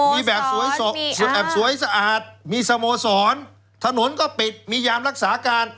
มีแบบสวยสะอาดมีสโมสรถนนก็ปิดมียามรักษาการ